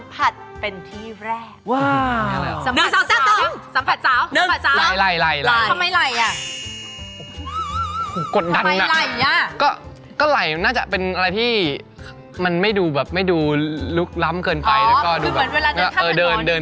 พวกเครื่องเล่นอะไรแบบนี้